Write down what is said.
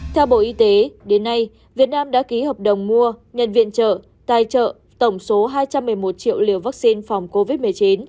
theo bộ y tế đến nay việt nam đã ký hợp đồng mua nhận viện trợ tài trợ tổng số hai trăm một mươi một triệu liều vaccine phòng covid một mươi chín